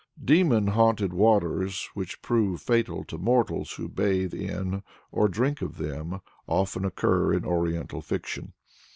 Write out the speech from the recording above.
Demon haunted waters, which prove fatal to mortals who bathe in or drink of them, often occur in oriental fiction.